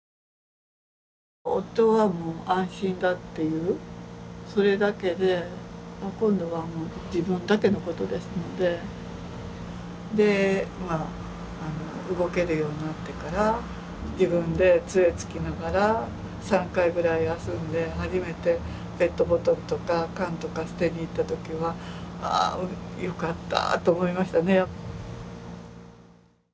夫はもう安心だっていうそれだけで今度はもう自分だけのことですのでまあ動けるようになってから自分でつえつきながら３回ぐらい休んで初めてペットボトルとか缶とか捨てに行った時は「あよかった」と思いましたね。